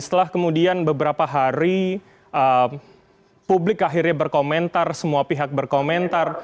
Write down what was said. setelah kemudian beberapa hari publik akhirnya berkomentar semua pihak berkomentar